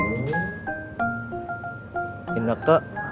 ini nek teh